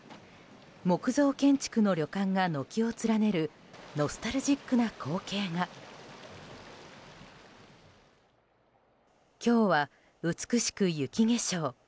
木造建築の旅館が軒を連ねるノスタルジックな光景が今日は美しく雪化粧。